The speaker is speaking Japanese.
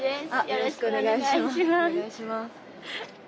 よろしくお願いします。